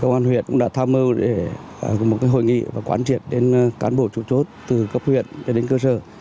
công an huyện cũng đã tham mưu để một hội nghị và quán triệt đến cán bộ chủ chốt từ cấp huyện cho đến cơ sở